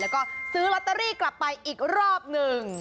แล้วก็ซื้อลอตเตอรี่กลับไปอีกรอบหนึ่ง